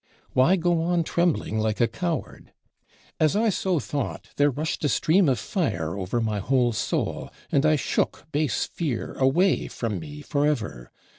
Why go on trembling like a coward? "As I so thought, there rushed a stream of fire over my whole soul, and I shook base fear away from me for ever.